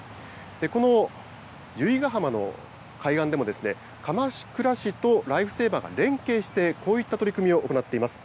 この由比ヶ浜の海岸でも、鎌倉市とライフセーバーが連携して、こういった取り組みを行っています。